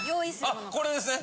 あこれですね。